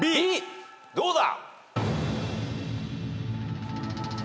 どうだ？